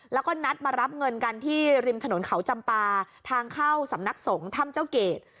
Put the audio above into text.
แล้วก็นัดมารับเงินกันที่ริมถนนเขาจำปาทางเข้าสำนักสงฆ์ถ้ำเจ้าเกต